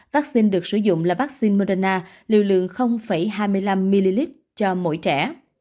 vaccine được sử dụng là vaccine moderna liều lượng hai mươi năm ml cho mỗi trẻ